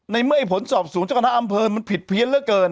ในเมื่อไอ้ผลสอบสูงจ้าคณะอำพอร์มันผิดเพี้ยนเรื่องเกิน